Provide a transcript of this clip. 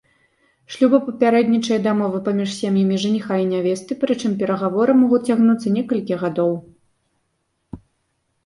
Шлюбу папярэднічае дамова паміж сем'ямі жаніха і нявесты, прычым перагаворы могуць цягнуцца некалькі гадоў.